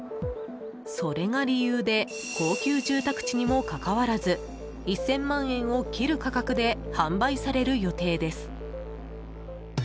それが理由で高級住宅地にもかかわらず１０００万円を切る価格で販売される予定です。